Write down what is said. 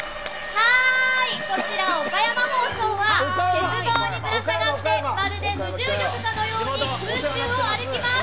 こちら岡山放送は鉄棒にぶら下がってまるで無重力かのように空中を歩きます。